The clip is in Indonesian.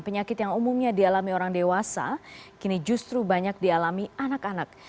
penyakit yang umumnya dialami orang dewasa kini justru banyak dialami anak anak